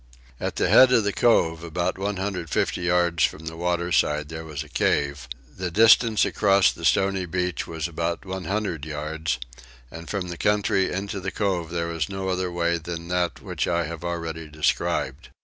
At the head of the cove about 150 yards from the waterside there was a cave; the distance across the stony beach was about 100 yards, and from the country into the cove there was no other way than that which I have already described.